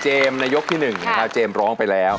เจมส์ในยกที่หนึ่งนะครับเจมส์ร้องไปแล้ว